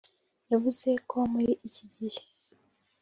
yavuze ko muri iki gihe